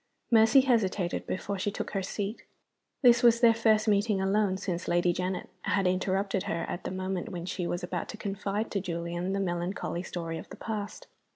Mercy hesitated before she took her seat. This was their first meeting alone since Lady Janet had interrupted her at the moment when she was about to confide to Julian the melancholy story of the past.